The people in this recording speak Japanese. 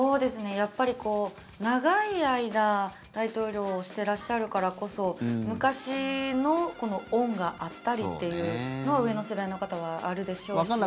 やっぱり長い間大統領をしてらっしゃるからこそ昔の恩があったりっていうのは上の世代の方はあるでしょうし。